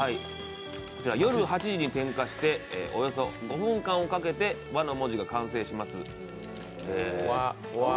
夜８時に点火しておよそ５分間かけて「和」の字が完成します。